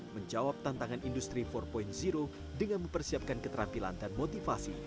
menjawab tantangan industri empat dengan mempersiapkan keterampilan dan motivasi